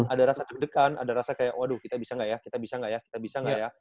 ada rasa deg degan ada rasa kayak waduh kita bisa nggak ya kita bisa nggak ya kita bisa nggak ya